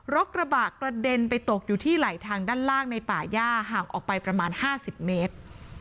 กระบะกระเด็นไปตกอยู่ที่ไหลทางด้านล่างในป่าย่าห่างออกไปประมาณ๕๐เมตร